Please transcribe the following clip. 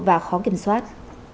và khó kiểm soát